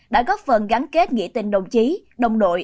đã góp phần gắn kết nghĩa tình đồng chí đồng đội